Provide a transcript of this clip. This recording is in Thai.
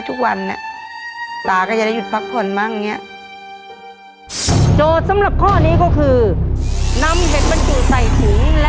ถ้าได้ข้อนี้ในร่านมงแสงบาทนะครับ